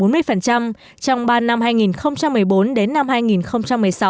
trong ba năm hai nghìn một mươi bốn đến năm hai nghìn một mươi sáu